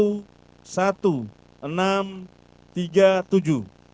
buna hak pilih b satu tambah b dua tambah b tiga